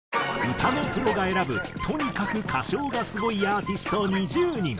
歌のプロが選ぶとにかく歌唱がスゴいアーティスト２０人。